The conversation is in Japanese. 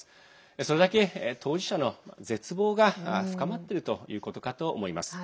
それだけ当事者の絶望が深まってるということかと思います。